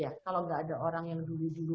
ya kalau nggak ada orang yang dulu dulu